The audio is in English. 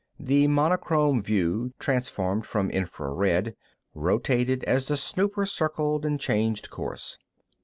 The monochrome view, transformed from infra red, rotated as the snooper circled and changed course.